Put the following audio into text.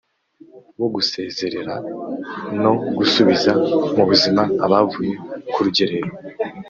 wo gusezerera no gusubiza mu buzima abavuye kurugerero